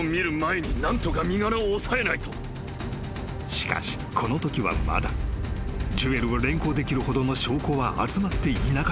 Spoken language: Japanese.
［しかしこのときはまだジュエルを連行できるほどの証拠は集まっていなかった］